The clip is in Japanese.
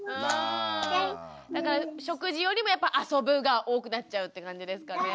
だから食事よりもやっぱ遊ぶが多くなっちゃうって感じですかね。